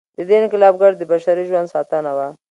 د دې انقلاب ګټه د بشري ژوند ساتنه وه.